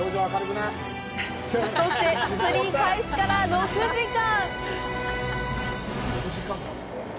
そして、釣り開始から６時間。